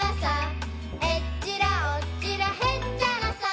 「えっちらおっちらへっちゃらさ」